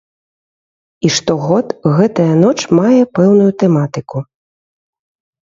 І штогод гэтая ноч мае пэўную тэматыку.